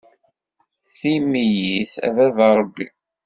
Tim-iyi-t a baba Ṛebbi.